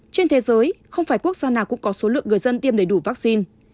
trên thế giới không phải quốc gia nào cũng có số lượng người dân tiêm đầy đủ vaccine